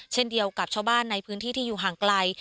เช่นเดียวกับชาวบ้านในพื้นที่ที่อยู่ห่างไกล